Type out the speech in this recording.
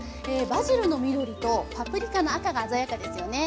バジルの緑とパプリカの赤が鮮やかですよね。